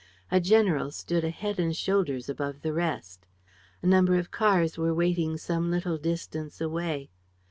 A general stood a head and shoulders above the rest. A number of cars were waiting some little distance away.